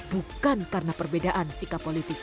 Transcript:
bukan karena perbedaan sikap politik